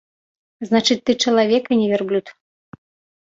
Значыць, ты чалавек, а не вярблюд.